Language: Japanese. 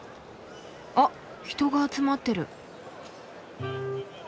あっ人が集まってる。